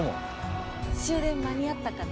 終電間に合ったかな？